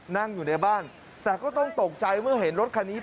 นั่งอยู่ในบ้านแต่ก็ต้องตกใจเมื่อเห็นรถคันนี้